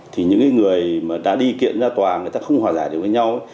thì những người mà đã đi kiện ra tòa người ta không hòa giải được với nhau